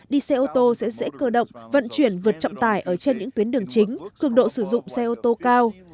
đi xe ô tô sẽ dễ cơ động vận chuyển vượt trọng tải ở trên những tuyến đường chính cường độ sử dụng xe ô tô cao